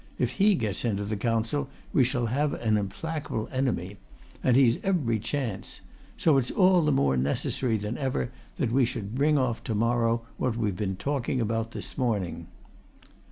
If he gets into the Council we shall have an implacable enemy. And he's every chance. So it's all the more necessary than ever that we should bring off to morrow what we've been talking over this morning."